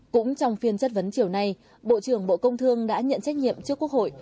cũng trong phiên chất vấn chiều nay bộ trưởng bộ công thương đã nhận trách nhiệm trước quốc hội